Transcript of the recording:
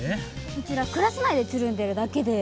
うちらクラス内でつるんでるだけで。